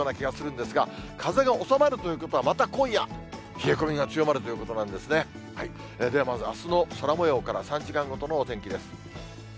ではまず、あすの空もようから、３時間ごとのお天気です。